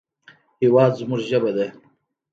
هېواد زموږ ژبه ده